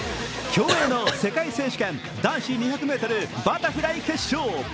競泳の世界選手権男子２００ｍバタフライ決勝。